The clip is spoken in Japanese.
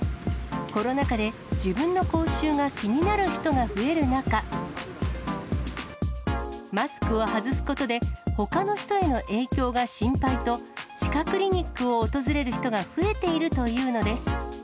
コロナ禍で、自分の口臭が気になる人が増える中、マスクを外すことで、ほかの人への影響が心配と、歯科クリニックを訪れる人が増えているというのです。